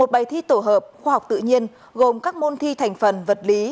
một bài thi tổ hợp khoa học tự nhiên gồm các môn thi thành phần vật lý